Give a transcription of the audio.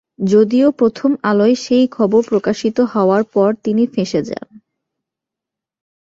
যদিও প্রথম আলোয় সেই খবর প্রকাশিত হওয়ার পর তিনি ফেঁসে যান।